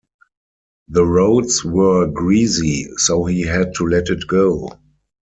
The roads were greasy, so he had to let it go.